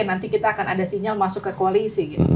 nanti kita akan ada sinyal masuk ke koalisi gitu